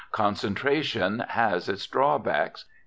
Concentration has its drawbacks.